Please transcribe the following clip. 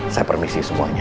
saya permisi semuanya